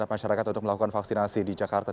masyarakat untuk melakukan vaksinasi di jakarta